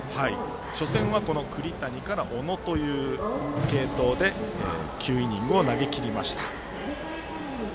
初戦は、この栗谷から小野とという継投で９イニングを投げきりました。